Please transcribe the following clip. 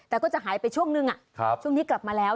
แต่ก็จะหายไปช่วงนึงช่วงนี้กลับมาแล้ว